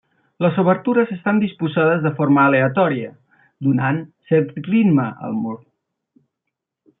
Les obertures estan disposades de forma aleatòria donant cert ritme al mur.